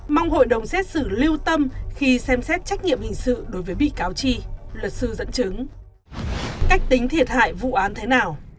mong hội đồng xét xử lưu tâm khi xem xét trách nhiệm hình sự đối với bị cáo chi luật sư dẫn chứng